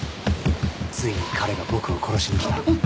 ついに彼が僕を殺しに来た。